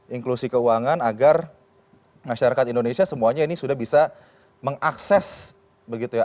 inklusi keuangan agar masyarakat indonesia semuanya ini sudah bisa mengakses begitu ya